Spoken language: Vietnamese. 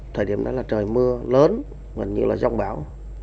thời điểm đó là trời mưa lớn gần như là rông bão